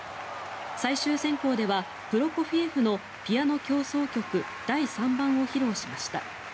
最終選考ではプロコフィエフの「ピアノ協奏曲第３番」を披露しました。